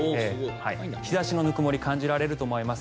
日差しのぬくもり感じられると思います。